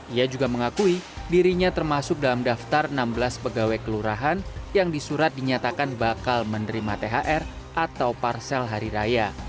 ia juga mengakui dirinya termasuk dalam daftar enam belas pegawai kelurahan yang disurat dinyatakan bakal menerima thr atau parsel hari raya